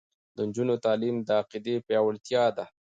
د نجونو تعلیم د عقیدې پیاوړتیا ده.